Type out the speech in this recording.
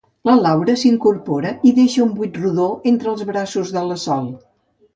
La Laura s'incorpora i deixa un buit rodó entre els braços de la Sol.